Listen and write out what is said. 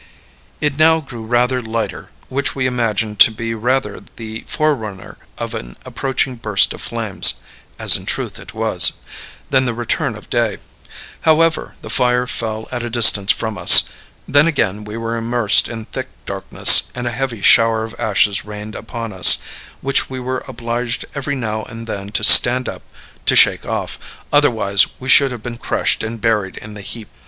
It now grew rather lighter, which we imagined to be rather the forerunner of an approaching burst of flames (as in truth it was) than the return of day; however, the fire fell at a distance from us; then again we were immersed in thick darkness, and a heavy shower of ashes rained upon us, which we were obliged every now and then to stand up to shake off, otherwise we should have been crushed and buried in the heap.